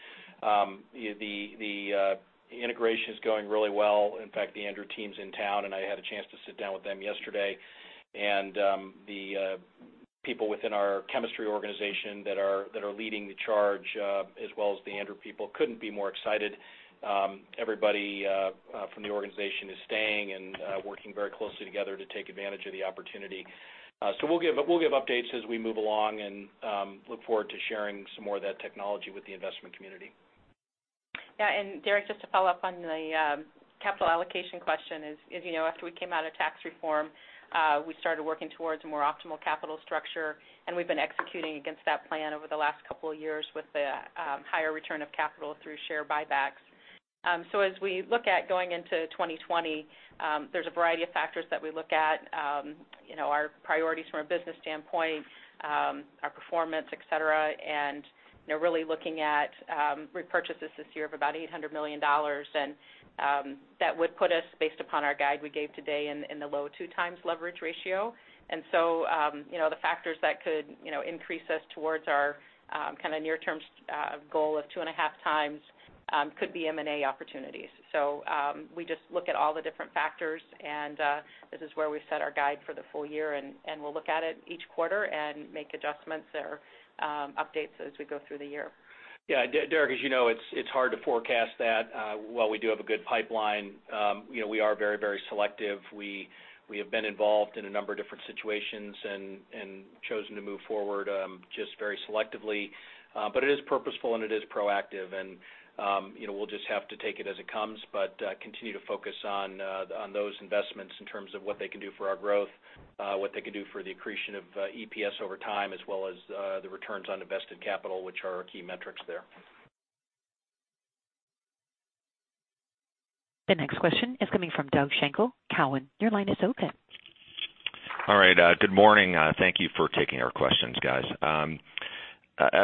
Speaker 3: The integration is going really well. In fact, the Andrew team's in town. I had a chance to sit down with them yesterday. The people within our chemistry organization that are leading the charge, as well as the Andrew people, couldn't be more excited. Everybody from the organization is staying and working very closely together to take advantage of the opportunity. So we'll give updates as we move along and look forward to sharing some more of that technology with the investment community.
Speaker 4: Yeah. And Derik, just to follow up on the capital allocation question, as you know, after we came out of tax reform, we started working towards a more optimal capital structure. And we've been executing against that plan over the last couple of years with the higher return of capital through share buybacks. So as we look at going into 2020, there's a variety of factors that we look at, our priorities from a business standpoint, our performance, etc., and really looking at repurchases this year of about $800 million. And that would put us, based upon our guide we gave today, in the low two times leverage ratio. And so the factors that could increase us towards our kind of near-term goal of two and a half times could be M&A opportunities. So we just look at all the different factors. And this is where we set our guidance for the full year. And we'll look at it each quarter and make adjustments or updates as we go through the year.
Speaker 3: Yeah. Derik, as you know, it's hard to forecast that. While we do have a good pipeline, we are very, very selective. We have been involved in a number of different situations and chosen to move forward just very selectively. But it is purposeful and it is proactive. And we'll just have to take it as it comes, but continue to focus on those investments in terms of what they can do for our growth, what they can do for the accretion of EPS over time, as well as the returns on invested capital, which are our key metrics there.
Speaker 1: The next question is coming from Doug Schenkel. Cowen, your line is open.
Speaker 9: All right. Good morning. Thank you for taking our questions, guys.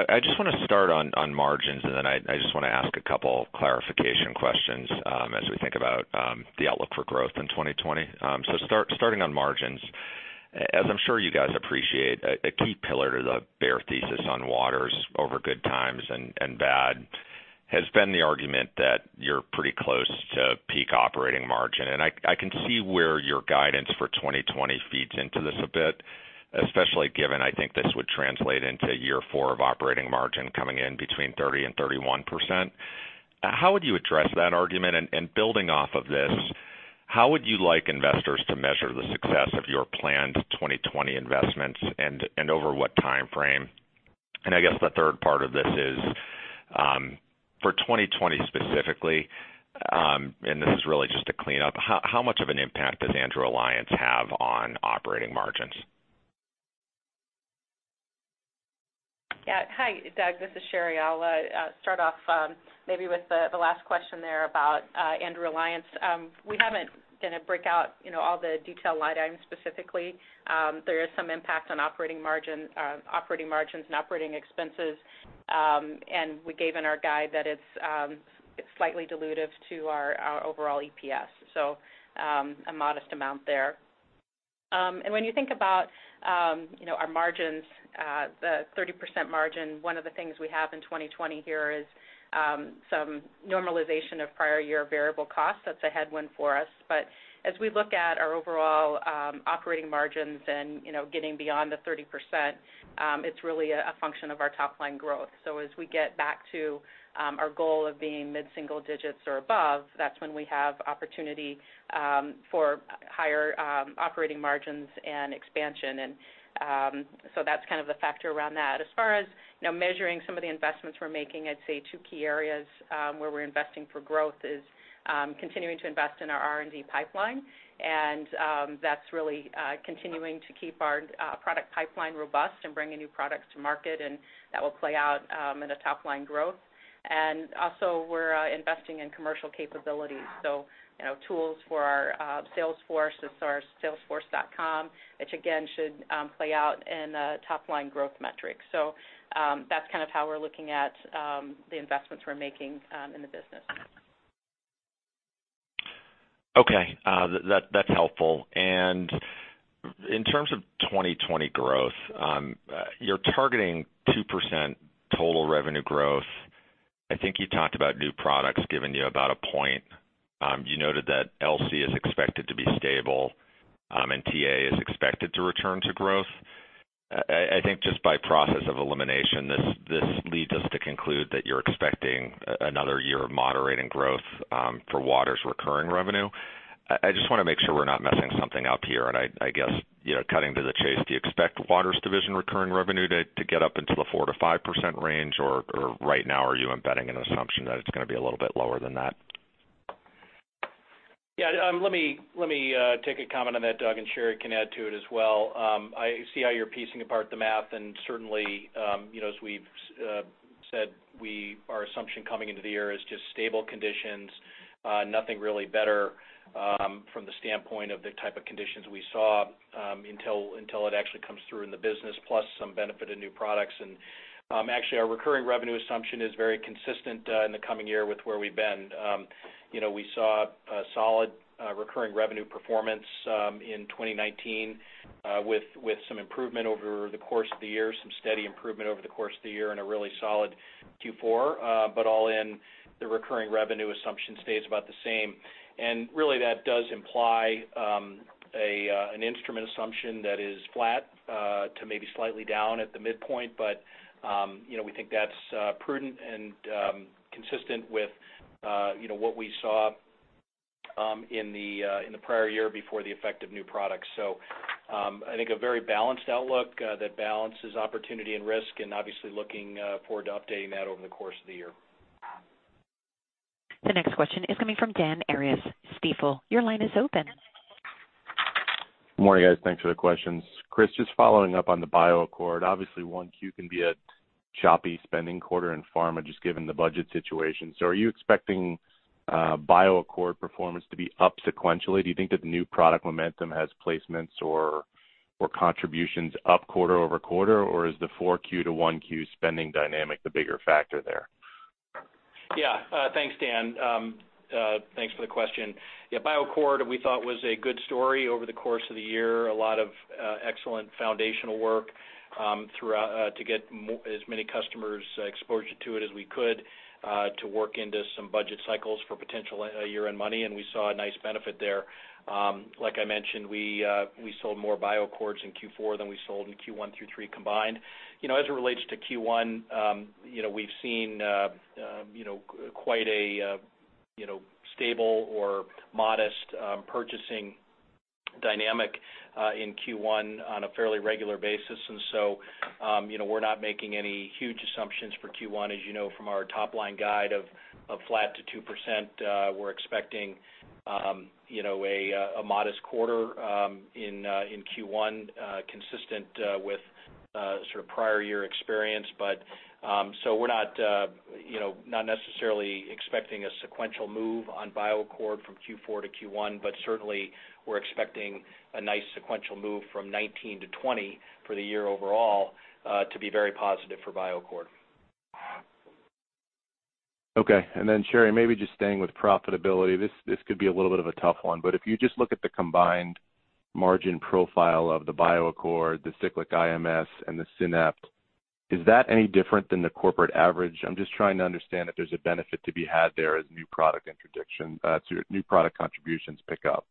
Speaker 9: I just want to start on margins. And then I just want to ask a couple of clarification questions as we think about the outlook for growth in 2020. So starting on margins, as I'm sure you guys appreciate, a key pillar to the bear thesis on Waters over good times and bad has been the argument that you're pretty close to peak operating margin. I can see where your guidance for 2020 feeds into this a bit, especially given I think this would translate into year four of operating margin coming in between 30% and 31%. How would you address that argument? And building off of this, how would you like investors to measure the success of your planned 2020 investments and over what timeframe? And I guess the third part of this is for 2020 specifically, and this is really just a cleanup, how much of an impact does Andrew Alliance have on operating margins?
Speaker 4: Yeah. Hi, Doug. This is Sherry. I'll start off maybe with the last question there about Andrew Alliance. We haven't been able to break out all the detailed line items specifically. There is some impact on operating margins and operating expenses. And we gave in our guide that it's slightly dilutive to our overall EPS, so a modest amount there. And when you think about our margins, the 30% margin, one of the things we have in 2020 here is some normalization of prior year variable costs. That's a headwind for us. But as we look at our overall operating margins and getting beyond the 30%, it's really a function of our top-line growth. So as we get back to our goal of being mid-single digits or above, that's when we have opportunity for higher operating margins and expansion. And so that's kind of the factor around that. As far as measuring some of the investments we're making, I'd say two key areas where we're investing for growth is continuing to invest in our R&D pipeline. And that's really continuing to keep our product pipeline robust and bringing new products to market. And that will play out in a top-line growth. And also, we're investing in commercial capabilities. So tools for our Salesforce, it's our salesforce.com, which again should play out in top-line growth metrics. So that's kind of how we're looking at the investments we're making in the business.
Speaker 9: Okay. That's helpful. And in terms of 2020 growth, you're targeting 2% total revenue growth. I think you talked about new products giving you about a point. You noted that LC is expected to be stable and TA is expected to return to growth. I think just by process of elimination, this leads us to conclude that you're expecting another year of moderating growth for Waters' recurring revenue. I just want to make sure we're not messing something up here. And I guess cutting to the chase, do you expect Waters' division recurring revenue to get up into the 4%-5% range? Or right now, are you embedding an assumption that it's going to be a little bit lower than that?
Speaker 3: Yeah. Let me take a comment on that, Doug, and Sherry can add to it as well. I see how you're piecing apart the math. And certainly, as we've said, our assumption coming into the year is just stable conditions, nothing really better from the standpoint of the type of conditions we saw until it actually comes through in the business, plus some benefit of new products. And actually, our recurring revenue assumption is very consistent in the coming year with where we've been. We saw solid recurring revenue performance in 2019 with some improvement over the course of the year, some steady improvement over the course of the year, and a really solid Q4, but all in, the recurring revenue assumption stays about the same. And really, that does imply an instrument assumption that is flat to maybe slightly down at the midpoint, but we think that's prudent and consistent with what we saw in the prior year before the effect of new products. So I think a very balanced outlook that balances opportunity and risk and obviously looking forward to updating that over the course of the year.
Speaker 1: The next question is coming from Dan Arias at Stifel. Your line is open.
Speaker 10: Good morning, guys. Thanks for the questions. Chris, just following up on the BioAccord, obviously, 1Q can be a choppy spending quarter in pharma just given the budget situation. So are you expecting BioAccord performance to be up sequentially? Do you think that the new product momentum has placements or contributions up quarter over quarter? Or is the 4Q to 1Q spending dynamic the bigger factor there?
Speaker 3: Yeah. Thanks, Dan. Thanks for the question. Yeah. BioAccord, we thought was a good story over the course of the year, a lot of excellent foundational work to get as many customers exposure to it as we could to work into some budget cycles for potential year-end money. And we saw a nice benefit there. Like I mentioned, we sold more BioAccords in Q4 than we sold in Q1 through Q3 combined. As it relates to Q1, we've seen quite a stable or modest purchasing dynamic in Q1 on a fairly regular basis. And so we're not making any huge assumptions for Q1. As you know, from our top-line guide of flat to 2%, we're expecting a modest quarter in Q1 consistent with sort of prior year experience. But so we're not necessarily expecting a sequential move on BioAccord from Q4 to Q1. But certainly, we're expecting a nice sequential move from 2019 to 2020 for the year overall to be very positive for BioAccord.
Speaker 10: Okay. And then Sherry, maybe just staying with profitability, this could be a little bit of a tough one. But if you just look at the combined margin profile of the BioAccord, the Cyclic IMS, and the SYNAPT XS, is that any different than the corporate average? I'm just trying to understand if there's a benefit to be had there as new product contributions pick up.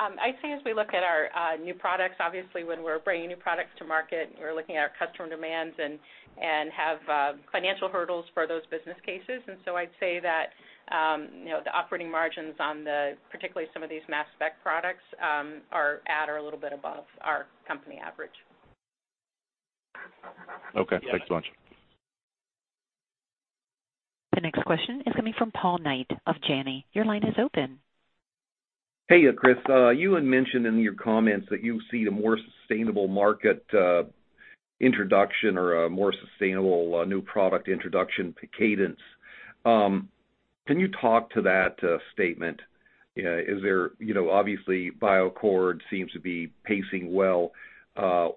Speaker 4: I'd say as we look at our new products, obviously, when we're bringing new products to market, we're looking at our customer demands and have financial hurdles for those business cases. And so I'd say that the operating margins on particularly some of these mass spec products are at or a little bit above our company average.
Speaker 10: Okay. Thanks so much.
Speaker 1: The next question is coming from Paul Knight of Janney. Your line is open.
Speaker 11: Hey, Chris. You had mentioned in your comments that you see a more sustainable market introduction or a more sustainable new product introduction cadence. Can you talk to that statement? Obviously, BioAccord seems to be pacing well.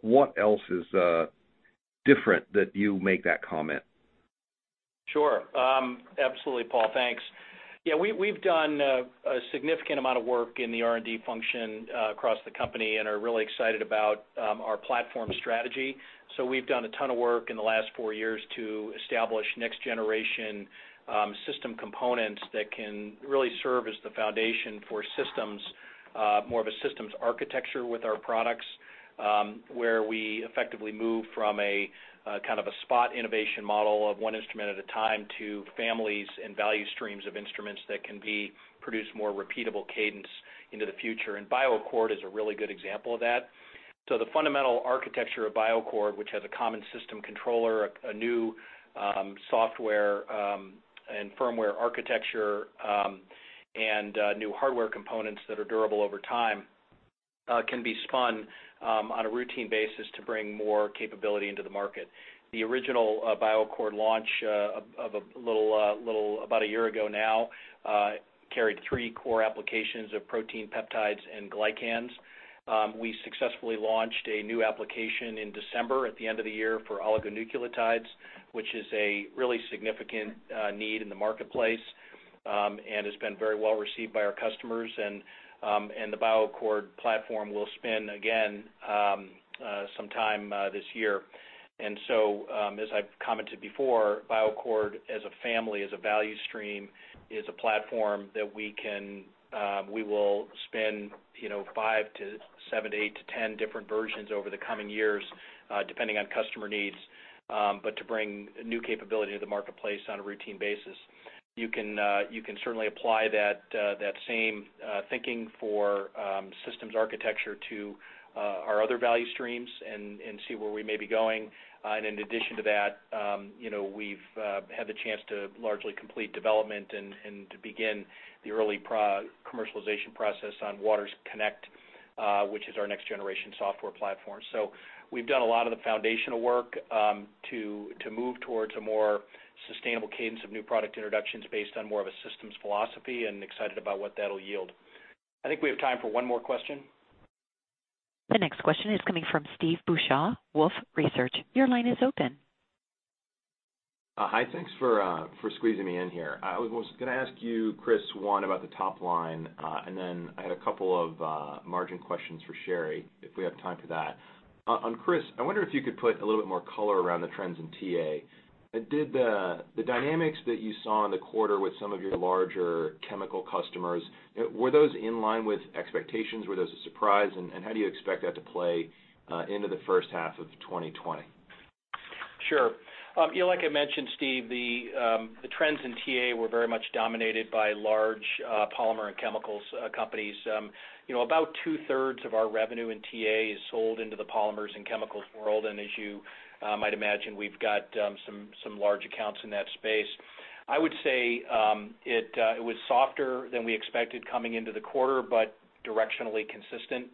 Speaker 11: What else is different that you make that comment?
Speaker 3: Sure. Absolutely, Paul. Thanks. Yeah. We've done a significant amount of work in the R&D function across the company and are really excited about our platform strategy. So we've done a ton of work in the last four years to establish next-generation system components that can really serve as the foundation for more of a systems architecture with our products where we effectively move from a kind of a spot innovation model of one instrument at a time to families and value streams of instruments that can produce more repeatable cadence into the future. And BioAccord is a really good example of that. So the fundamental architecture of BioAccord, which has a common system controller, a new software and firmware architecture, and new hardware components that are durable over time, can be spun on a routine basis to bring more capability into the market. The original BioAccord launch of about a year ago now carried three core applications of protein, peptides, and glycans. We successfully launched a new application in December at the end of the year for oligonucleotides, which is a really significant need in the marketplace and has been very well received by our customers. The BioAccord platform will spend, again, some time this year. So as I've commented before, BioAccord as a family, as a value stream, is a platform that we will spend five to seven to eight to 10 different versions over the coming years depending on customer needs, but to bring new capability to the marketplace on a routine basis. You can certainly apply that same thinking for systems architecture to our other value streams and see where we may be going. In addition to that, we've had the chance to largely complete development and to begin the early commercialization process on Waters Connect, which is our next-generation software platform. So we've done a lot of the foundational work to move towards a more sustainable cadence of new product introductions based on more of a systems philosophy and excited about what that'll yield. I think we have time for one more question.
Speaker 1: The next question is coming from Steve Beuchaw, Wolfe Research. Your line is open.
Speaker 12: Hi. Thanks for squeezing me in here. I was going to ask you, Chris, one about the top line. And then I had a couple of margin questions for Sherry if we have time for that. Chris, I wonder if you could put a little bit more color around the trends in TA. Did the dynamics that you saw in the quarter with some of your larger chemical customers, were those in line with expectations? Were those a surprise? And how do you expect that to play into the first half of 2020?
Speaker 3: Sure. Like I mentioned, Steve, the trends in TA were very much dominated by large polymer and chemicals companies. About two-thirds of our revenue in TA is sold into the polymers and chemicals world. And as you might imagine, we've got some large accounts in that space. I would say it was softer than we expected coming into the quarter, but directionally consistent.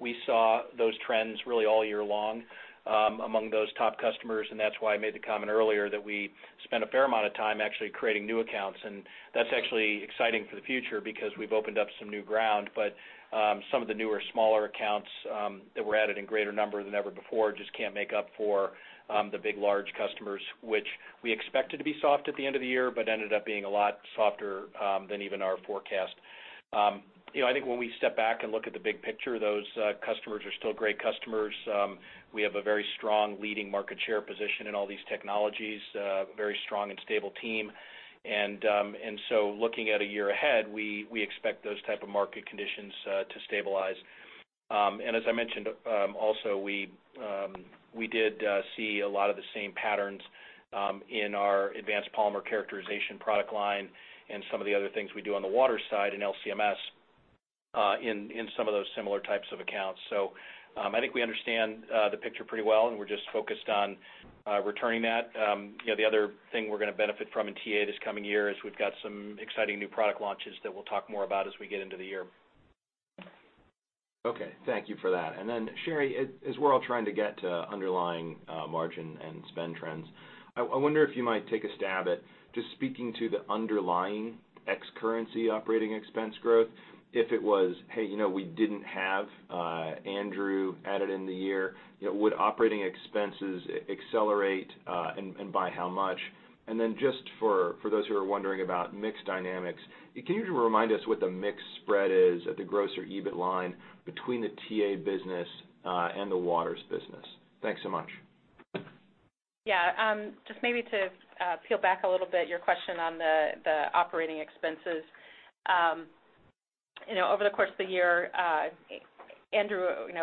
Speaker 3: We saw those trends really all year long among those top customers. And that's why I made the comment earlier that we spent a fair amount of time actually creating new accounts. And that's actually exciting for the future because we've opened up some new ground. But some of the newer, smaller accounts that were added in greater number than ever before just can't make up for the big large customers, which we expected to be soft at the end of the year, but ended up being a lot softer than even our forecast. I think when we step back and look at the big picture, those customers are still great customers. We have a very strong leading market share position in all these technologies, a very strong and stable team. And so looking at a year ahead, we expect those type of market conditions to stabilize. And as I mentioned, also, we did see a lot of the same patterns in our advanced polymer characterization product line and some of the other things we do on the Waters side and LC-MS in some of those similar types of accounts. So I think we understand the picture pretty well, and we're just focused on returning that. The other thing we're going to benefit from in TA this coming year is we've got some exciting new product launches that we'll talk more about as we get into the year.
Speaker 12: Okay. Thank you for that. And then, Sherry, as we're all trying to get to underlying margin and spend trends, I wonder if you might take a stab at just speaking to the underlying ex-currency operating expense growth. If it was, "Hey, we didn't have Andrew added in the year," would operating expenses accelerate and by how much? And then just for those who are wondering about mixed dynamics, can you remind us what the mixed spread is at the gross or EBIT line between the TA business and the Waters business? Thanks so much.
Speaker 4: Yeah. Just maybe to peel back a little bit your question on the operating expenses. Over the course of the year,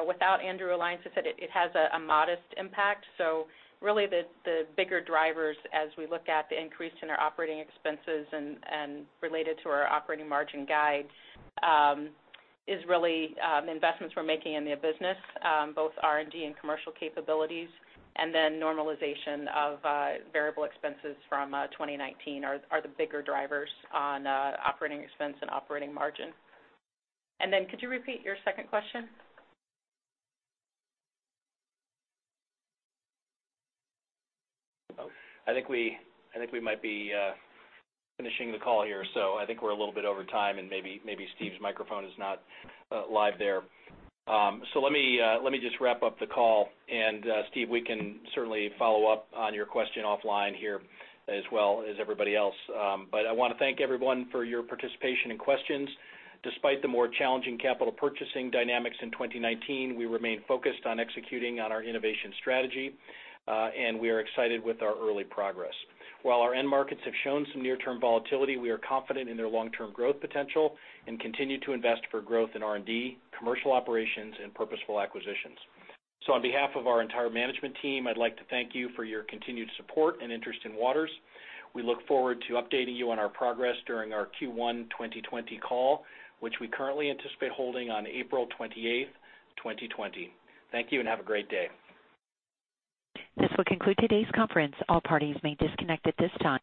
Speaker 4: without Andrew Alliance, it has a modest impact. So really, the bigger drivers as we look at the increase in our operating expenses and related to our operating margin guide is really the investments we're making in the business, both R&D and commercial capabilities. And then normalization of variable expenses from 2019 are the bigger drivers on operating expense and operating margin. And then could you repeat your second question?
Speaker 3: I think we might be finishing the call here. So I think we're a little bit over time, and maybe Steve's microphone is not live there. So let me just wrap up the call. And Steve, we can certainly follow up on your question offline here as well as everybody else. But I want to thank everyone for your participation and questions. Despite the more challenging capital purchasing dynamics in 2019, we remain focused on executing on our innovation strategy, and we are excited with our early progress. While our end markets have shown some near-term volatility, we are confident in their long-term growth potential and continue to invest for growth in R&D, commercial operations, and purposeful acquisitions. So on behalf of our entire management team, I'd like to thank you for your continued support and interest in Waters. We look forward to updating you on our progress during our Q1 2020 call, which we currently anticipate holding on April 28th, 2020. Thank you and have a great day.
Speaker 1: This will conclude today's conference. All parties may disconnect at this time.